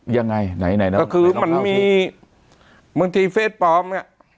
ยังไงไหนไหนคือมันมีเมื่อกีฟเฟซปอล์มน่ะ